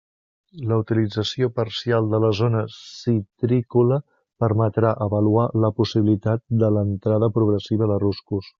La utilització parcial de la zona citrícola permetrà avaluar la possibilitat de l'entrada progressiva de ruscos.